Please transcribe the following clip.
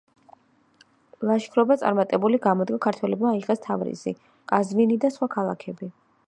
ლაშქრობა წარმატებული გამოდგა ქართველებმა აიღეს თავრიზი, ყაზვინი და სხვა ქალაქები.